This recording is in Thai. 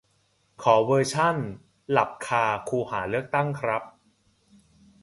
ขอเวอร์ชันหลับคาคูหาเลือกตั้งครับ